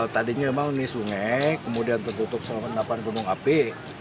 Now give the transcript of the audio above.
tadinya memang ini sungai kemudian tertutup sama hendapan gunung api